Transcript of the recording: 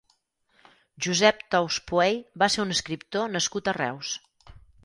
Josep Thous Puey va ser un escriptor nascut a Reus.